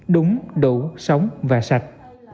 đúng đủ sống và sạch